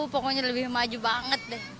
pokoknya lebih maju banget deh